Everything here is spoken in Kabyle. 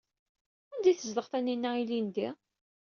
Anda ay tezdeɣ Taninna ilindi?